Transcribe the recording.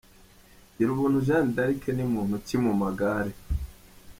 Girubuntu Jeanne d’Arc ni muntu ki mu magare?.